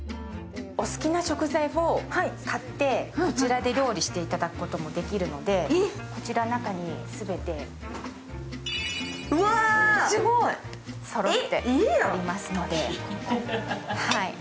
お好きな食材を買ってこちらで料理していただくこともできるので中に全てそろっておりますので。